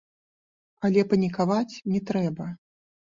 Але панікаваць не трэба.